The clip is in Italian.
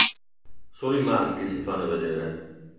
Solo i maschi si fanno vedere.